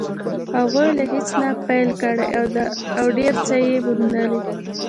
هغوی له هېڅ نه پيل کړی او ډېر څه يې موندلي.